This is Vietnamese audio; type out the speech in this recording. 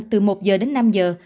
từ một giờ đến năm giờ